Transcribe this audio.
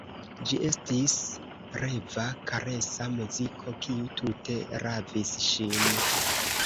Ĝi estis reva, karesa muziko, kiu tute ravis ŝin.